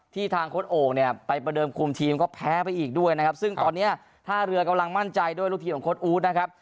ทางโค้ดโอ่งเนี่ยไปประเดิมคุมทีมก็แพ้ไปอีกด้วยนะครับซึ่งตอนเนี้ยท่าเรือกำลังมั่นใจด้วยลูกทีมของโค้ดอู๊ดนะครับ